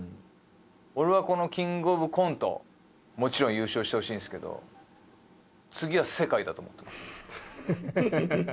俺はこのキングオブコントもちろん優勝してほしいんすけど次は世界だと思ってます